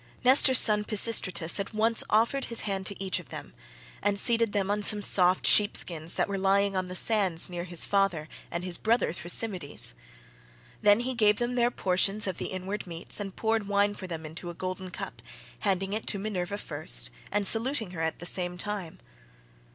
Nestor's son Pisistratus at once offered his hand to each of them, and seated them on some soft sheepskins that were lying on the sands near his father and his brother Thrasymedes. Then he gave them their portions of the inward meats and poured wine for them into a golden cup, handing it to Minerva first, and saluting her at the same time.